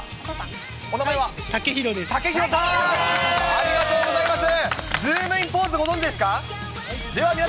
ありがとうございます。